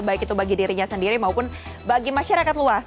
baik itu bagi dirinya sendiri maupun bagi masyarakat luas